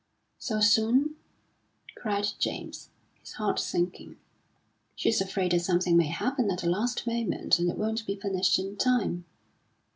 "So soon?" cried James, his heart sinking. "She's afraid that something may happen at the last moment, and it won't be finished in time."